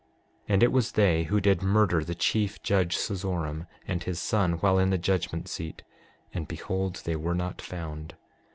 6:19 And it was they who did murder the chief judge Cezoram, and his son, while in the judgment seat; and behold, they were not found.